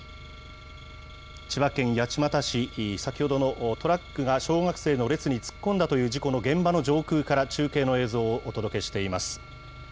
千葉県八街市、先ほどのトラックが小学生の列に突っ込んだという事故の現場の上空から中継の映像をお届けしています。